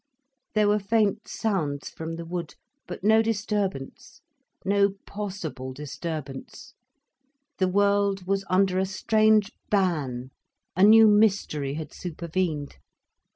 There were faint sounds from the wood, but no disturbance, no possible disturbance, the world was under a strange ban, a new mystery had supervened.